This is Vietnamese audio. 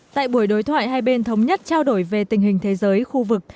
tại buổi đối thoại hai bên thống nhất trao đổi về tình hình thế giới khu vực